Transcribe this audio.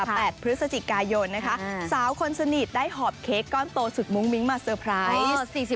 แปดพฤศจิกายนนะคะสาวคนสนิทได้หอบเค้กก้อนโตสุดมุ้งมิ้งมาเซอร์ไพรส์